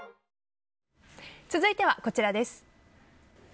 続いてはこちらです。